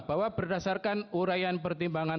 bahwa berdasarkan urayan pertimbangan